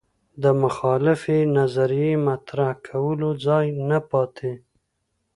د مخالفې نظریې مطرح کولو ځای نه پاتې